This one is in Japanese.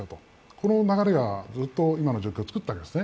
この流れがずっと今の流れを作ったわけですね。